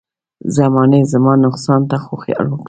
زمانې زما نقصان ته خو خیال وکړه.